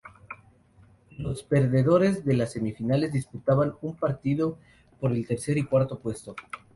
Los perdedores de las semifinales disputaban un partido por el tercer y cuarto puesto.